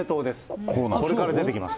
これから出てきます。